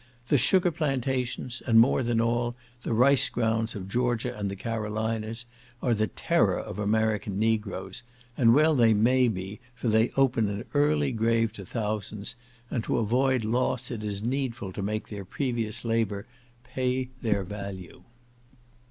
The sugar plantations, and more than all, the rice grounds of Georgia and the Carolinas, are the terror of American negroes; and well they may be, for they open an early grave to thousands; and to avoid loss it is needful to make their previous labour pay their value.